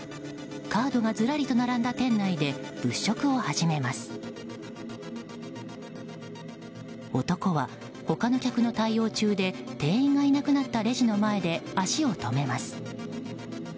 カードがずらりと並んだ店内で物色を始めます男は他の客の対応中で店員がいなくなったレジの前で足を止めます。